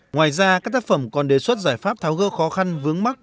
ngoài ra các tác phẩm còn đề xuất giải pháp tháo gỡ khó khăn vướng mắt